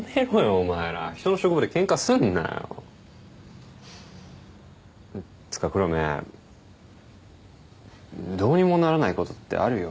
お前ら人の職場でケンカすんなよつうか黒目どうにもならないことってあるよ